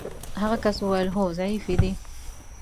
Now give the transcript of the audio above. هغه کس وویل: هو ضعیفې دي.